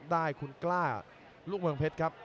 ได้คุณกล้าลูกเมืองเพชรครับ